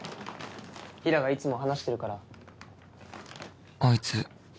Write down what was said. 平良がいつも話してるから。